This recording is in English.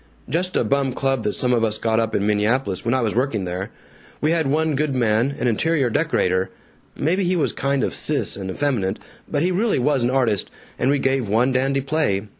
"Just a bum club that some of us got up in Minneapolis when I was working there. We had one good man, an interior decorator maybe he was kind of sis and effeminate, but he really was an artist, and we gave one dandy play.